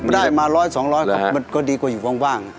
ได้มาร้อยสองร้อยมันก็ดีกว่าอยู่ว่าง